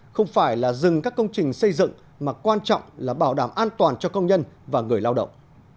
không phải là dừng các công trình xây dựng mà quan trọng là bảo đảm an toàn cho công nhân và người lao động